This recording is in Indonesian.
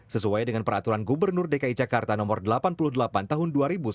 sesuai dengan peraturan gubernur dki jakarta no delapan puluh delapan tahun dua ribu sembilan belas